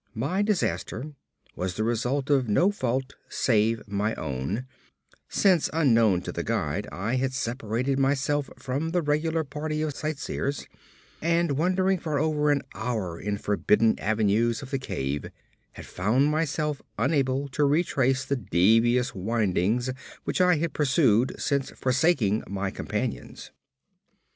My disaster was the result of no fault save my own, since unknown to the guide I had separated myself from the regular party of sightseers; and, wandering for over an hour in forbidden avenues of the cave, had found myself unable to retrace the devious windings which I had pursued since forsaking my companions.